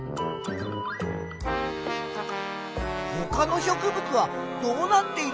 ほかの植物はどうなっているのかな？